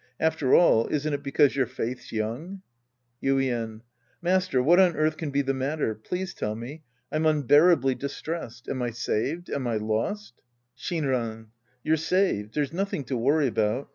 After all, isn't it because your faith's young ? Yuien. Master, what on earth can be the matter ? Please tell me. I'm unbearably distressed. Am I saved ? Am I lost ? Shinran. You're saved. There's nothing to worry about.